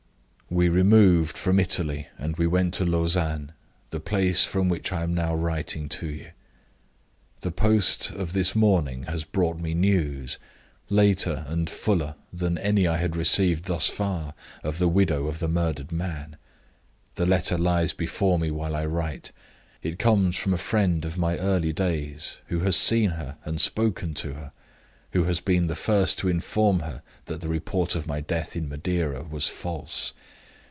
"We removed from Italy, and went next to Lausanne the place from which I am now writing to you. The post of this morning has brought me news, later and fuller than any I had received thus far, of the widow of the murdered man. The letter lies before me while I write. It comes from a friend of my early days, who has seen her, and spoken to her who has been the first to inform her that the report of my death in Madeira was false.